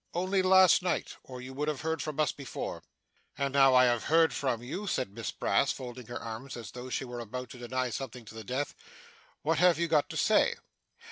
Only last night, or you would have heard from us before.' 'And now I have heard from you,' said Miss Brass, folding her arms as though she were about to deny something to the death, 'what have you got to say?